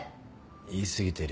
言い過ぎてるよ。